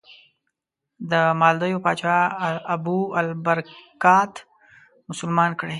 د مالدیو پاچا ابوالبرکات مسلمان کړی.